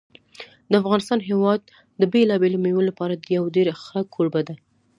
د افغانستان هېواد د بېلابېلو مېوو لپاره یو ډېر ښه کوربه دی.